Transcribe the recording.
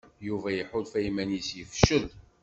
Yuba iḥulfa iman-is yefcel.